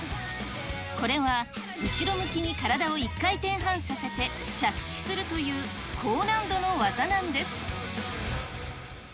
これは後ろ向きに体を１回転半させて、着地するという高難度の技なんです。